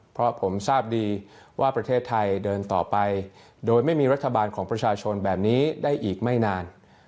เพราะผมทราบดีว่าประเทศไทยเดินต่อไปโดยไม่มีรัฐบาลของประชาชนแบบนี้ได้อีกไม่นาน